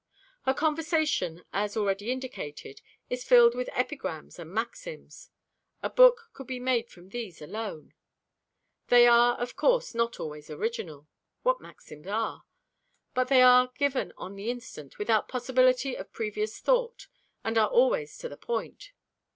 Her conversation, as already indicated, is filled with epigrams and maxims. A book could be made from these alone. They are, of course, not always original. What maxims are? But they are given on the instant, without possibility of previous thought, and are always to the point.